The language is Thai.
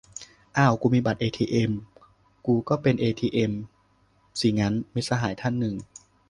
"อ้าว กูมีบัตรเอทีเอ็มกูก็เป็นเอทีเอ็มสิงั้น ?" - มิตรสหายอีกท่านหนึ่ง